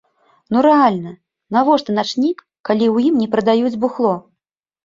Ну рэальна, навошта начнік, калі ў ім не прадаюць бухло!?